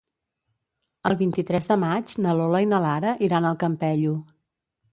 El vint-i-tres de maig na Lola i na Lara iran al Campello.